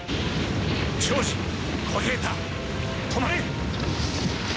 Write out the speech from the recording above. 長次小平太止まれ。